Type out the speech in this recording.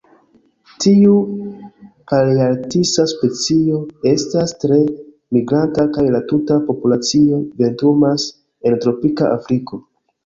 Tiu palearktisa specio estas tre migranta kaj la tuta populacio vintrumas en tropika Afriko.